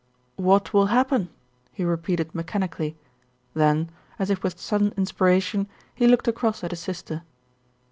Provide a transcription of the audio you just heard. "What will happen?" he repeated mechanically, then, as if with sudden inspiration, he looked across at his sister.